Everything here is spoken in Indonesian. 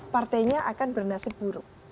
partainya akan bernasib buruk